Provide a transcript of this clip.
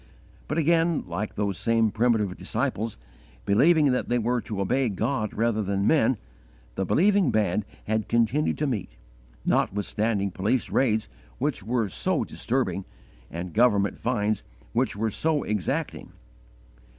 But again, like those same primitive disciples, believing that they were to obey God rather than men, the believing band had continued to meet, notwithstanding police raids which were so disturbing, and government fines which were so exacting.